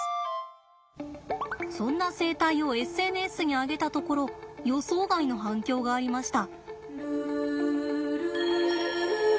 そんな生態をＳＮＳに上げたところ予想外の反響がありました。